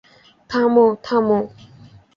থামো, থামো!